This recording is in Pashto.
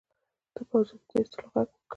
د پوځونو د ایستلو ږغ وکړ.